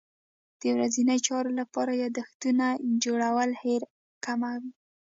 د ورځني چارو لپاره یادښتونه جوړول هېره کمه وي.